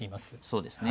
そうですね。